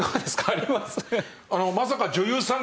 あります？